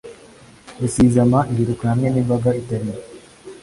Rusizama yiruka hamwe n'imbaga itari yo.